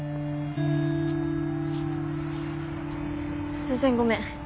突然ごめん。